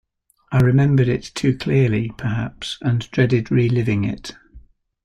I remembered it too clearly, perhaps, and dreaded re-living it.